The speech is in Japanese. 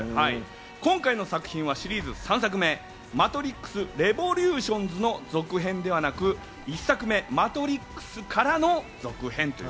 今回の作品はシリーズ３作目『マトリックスレボリューションズ』の続編ではなく、１作目『マトリックス』からの続編。